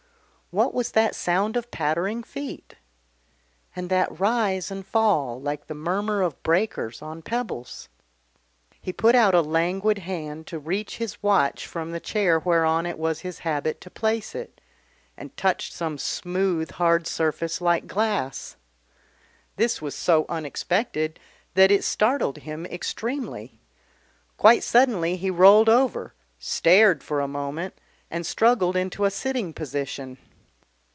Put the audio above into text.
What was that sound of pattering feet? And that rise and fall, like the murmur of breakers on pebbles? He put out a languid hand to reach his watch from the chair whereon it was his habit to place it, and touched some smooth hard surface like glass. This was so unexpected that it startled him extremely. Quite suddenly he rolled over, stared for a moment, and struggled into a sitting position.